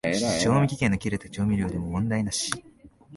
賞味期限の切れた調味料でも問題なし